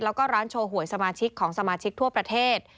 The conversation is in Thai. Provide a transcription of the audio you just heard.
แล้วก็ร้านโชว์หวยสมาชิกของสมาชิกทั่วประเทศ